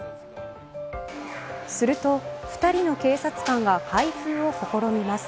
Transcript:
すると２人の警察官が開封を試みます。